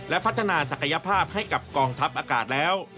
และพัฒนาศักยภาพให้กับกองทัพอากาศแล้ว